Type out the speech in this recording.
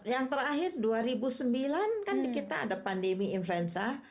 yang terakhir dua ribu sembilan kan kita ada pandemi influenza